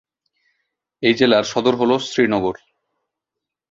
এই জেলার সদর শহর হল শ্রীনগর।